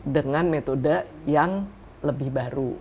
dengan metode yang lebih baru